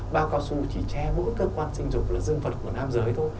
bao cao su chỉ che mỗi cơ quan sinh dục là dương vật của nam giới thôi